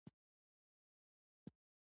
مه پرېږدئ چې علمي حقایق پټ پاتې شي.